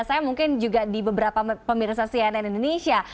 saya mungkin juga di beberapa pemirsa cnn indonesia